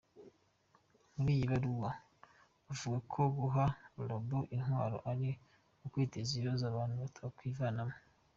Muri iyi baruwa bavuga ko guha robots intwaro ari ukwiteza ibibazo abantu batakwivanamo.